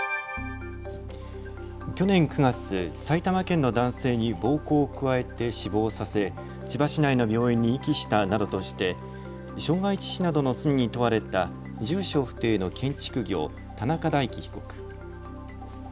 去年９月、埼玉県の男性に暴行を加えて死亡させ千葉市内の病院に遺棄したなどとして傷害致死などの罪に問われた住所不定の建築業、田中大樹被告。